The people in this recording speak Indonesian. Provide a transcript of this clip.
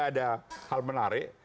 ada hal menarik